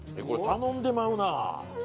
これ頼んでまうな。